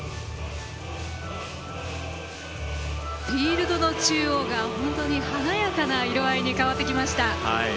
フィールドの中央が華やかな色合いに変わってきました。